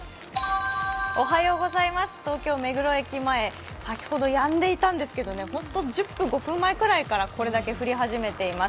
東京・目黒駅前先ほどやんでいたんですけど本当に１０分、５分ぐらい前からこれぐらい降り始めています。